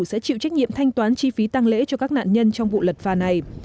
sẽ chịu trách nhiệm thanh toán chi phí tăng lễ cho các nạn nhân trong vụ lật phà này